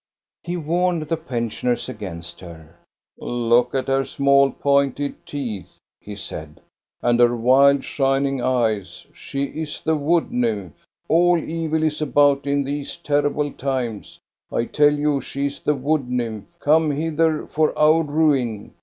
He warned the pensioners against her. " Look at her small, pointed teeth,'* he said, "and her wild, shining eyes. She is the wood nymph, — all evil is about in these terrible times. I tell you she is the wood nymph, come hither for our ruin.